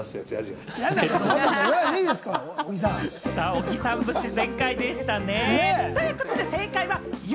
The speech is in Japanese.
小木さん節全開でしたね。